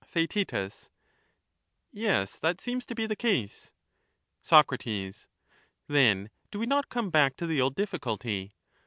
Theaet, Y es, that seems to be the case. Soc, Then do we not come back to the old difficulty?